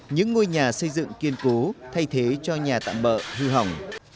những ngôi nhà xây dựng kiên cố thay thế cho nhà tạm bỡ hư hỏng